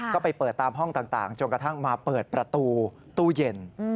ก็ไปเปิดตามห้องต่างจนกระทั่งมาเปิดประตูตู้เย็น